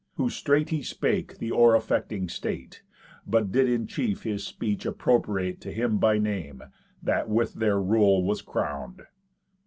Who straight bespake that oar affecting State, But did in chief his speech appropriate To him by name, that with their rule was crown'd.